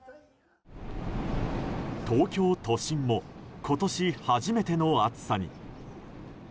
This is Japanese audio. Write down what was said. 東京都心も今年初めての暑さに。